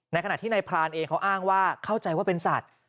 ขณะที่นายพรานเองเขาอ้างว่าเข้าใจว่าเป็นสัตว์